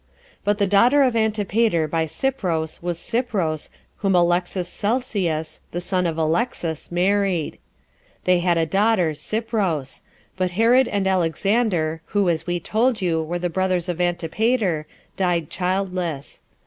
But the daughter of Antipater by Cypros was Cypros, whom Alexas Selcias, the son of Alexas, married; they had a daughter, Cypros; but Herod and Alexander, who, as we told you, were the brothers of Antipater, died childless.